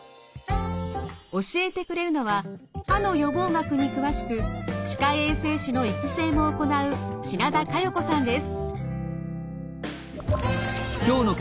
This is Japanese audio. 教えてくれるのは歯の予防学に詳しく歯科衛生士の育成も行う品田佳世子さんです。